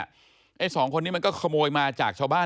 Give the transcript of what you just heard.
ไอ้สองคนนี้มันก็ขโมยมาจากชาวบ้าน